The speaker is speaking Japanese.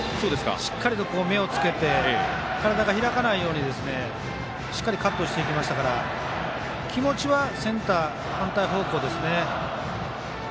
しっかりと目をつけて体が開かないようにしっかりカットしていきましたから気持ちはセンター反対方向ですね。